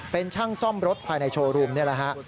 เป็นช่างซ่อมรถภายในโชว์รูมนี่แหละฮะ